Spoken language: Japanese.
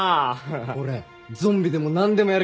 俺ゾンビでもなんでもやるから！